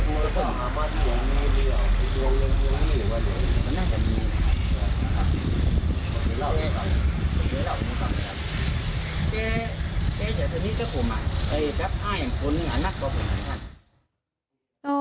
เขาไปดูอ๋อแต่